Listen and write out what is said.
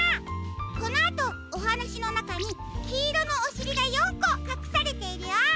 このあとおはなしのなかにきいろのおしりが４こかくされているよ。